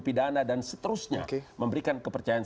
pidana dan seterusnya memberikan kepercayaan